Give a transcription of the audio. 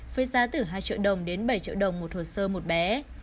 với giá từ hai triệu đồng đến bảy triệu đồng một hồ sơ một bé